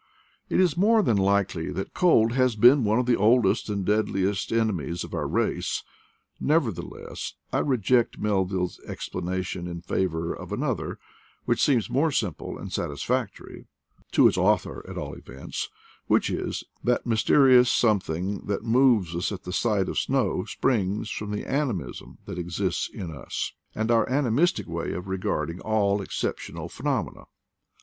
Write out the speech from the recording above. It is more than likely that cold has been one oj the oldest and deadliest enemies to our race; nevertheless, I reject Melville's explanation in favor of another, which seems more simple and satisfactory — to its author, at all events : which is, that that mysterious something that moves us at the sight of snow springs from the animism that exists in us, and our animistic way of regarding 116 IDLE DATS IN PATAGONIA all exceptional phenomena.